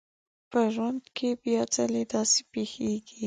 په ژوند کې بيا ځلې داسې پېښېږي.